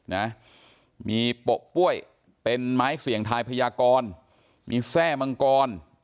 นะมีโปะกล้วยเป็นไม้เสี่ยงทายพญากรมีแทร่งังกร